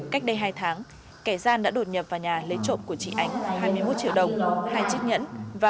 cách đây hai tháng kẻ gian đã đột nhập vào nhà lấy trộm của chị ánh hai mươi một triệu đồng hai chiếc nhẫn